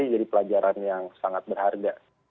jadi pelajaran yang sangat berharga